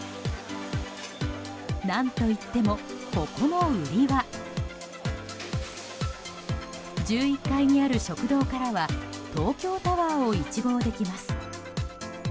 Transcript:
なんといってもここの売りが１１階にある食堂からは東京タワーを一望できます。